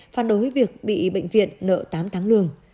phản đối việc bị bệnh viện nợ tám tháng lương